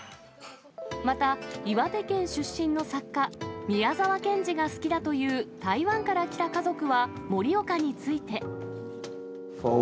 また、岩手県出身の作家、宮沢賢治が好きだという台湾から来た家族は、盛岡について。